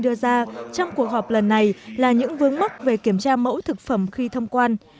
đưa ra trong cuộc họp lần này là những vướng mắc về kiểm tra mẫu thực phẩm khi thông quan